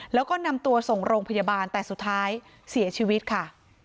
แล้วก็นำตัวส่งโรงพยาบาลแต่สุดท้ายเสียชีวิตค่ะ